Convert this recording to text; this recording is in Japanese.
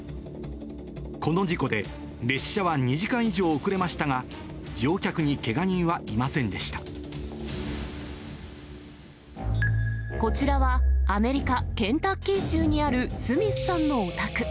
この事故で、列車は２時間以上遅れましたが、乗客にけが人はいまこちらは、アメリカ・ケンタッキー州にあるスミスさんのお宅。